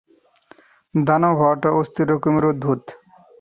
দানব হওয়াটা অস্থির রকমের অদ্ভুত।